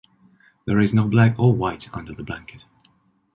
There is no black or white under the blanket.